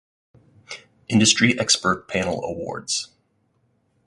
Industry expert panel awards